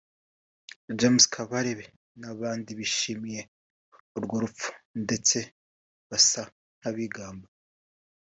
James Kabarebe n’abandi bishimiye urwo rupfu ndetse basa nk’abigamba